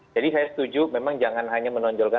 jadi saya setuju memang jangan hanya menonjolkan